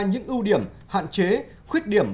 những ưu điểm hạn chế khuyết điểm